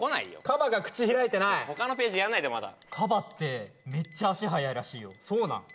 カバが口開いてない他のページやんないでまだカバってめっちゃ足速いらしいよそうなん？